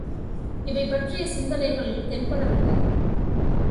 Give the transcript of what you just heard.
இவை பற்றிய சிந்தனைகள் தென்படவில்லை.